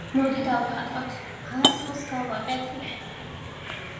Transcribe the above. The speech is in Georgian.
მოდი, დავხატოთ ... ასლს გავაკეთებ.